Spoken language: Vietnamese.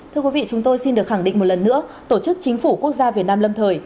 thưa quý vị chúng tôi xin được khẳng định một lần nữa tổ chức chính phủ quốc gia việt nam lâm thời